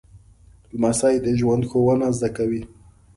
لمسی د ژوند ښوونه زده کوي.